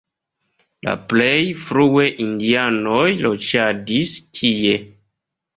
La plej frue indianoj loĝadis tie.